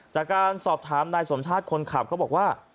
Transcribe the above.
จากการสอบถามนายสมชาติคนขับเขาบอกว่า